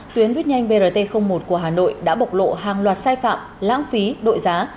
tuyến buýt nhanh brt một của hà nội đã bộc lộ hàng loạt sai phạm lãng phí đội giá